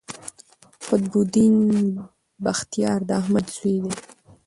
قطب الدین بختیار د احمد زوی دﺉ.